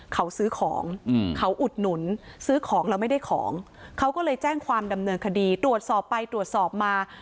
เขาซื้อของเขาอุดหนุนซื้อของแล้วไม่ได้ของเขาก็เลยแจ้งความดำเนินคดีตรวจสอบไปตรวจสอบมา